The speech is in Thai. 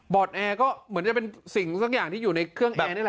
แอร์ก็เหมือนจะเป็นสิ่งสักอย่างที่อยู่ในเครื่องแอร์นี่แหละ